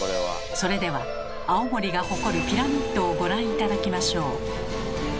それでは青森が誇るピラミッドをご覧頂きましょう。